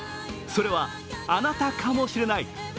それはあなたかもしれない。